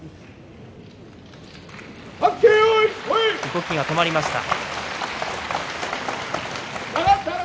動きが止まりました。